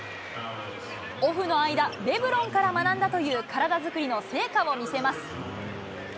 オフの間、レブロンから学んだという体作りの成果を見せます。